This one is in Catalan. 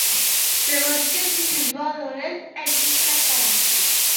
Segons que siguis bo o dolent, així et tractarà.